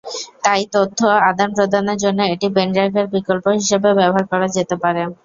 তাই তথ্য আদান-প্রদানের জন্য এটি পেনড্রাইভের বিকল্প হিসেবেও ব্যবহার করা যেতে পারে।